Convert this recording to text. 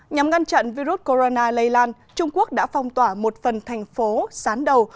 nhằm ngăn chặn virus corona lây lan trung quốc đã phong tỏa một phần thành phố sán đầu